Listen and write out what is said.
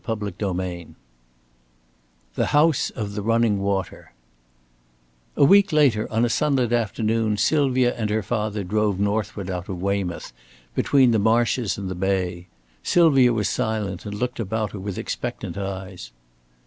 CHAPTER XII THE HOUSE OF THE RUNNING WATER A week later, on a sunlit afternoon, Sylvia and her father drove northward out of Weymouth between the marshes and the bay. Sylvia was silent and looked about her with expectant eyes.